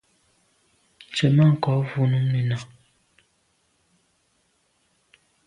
Tswemanko’ vù mum nenà.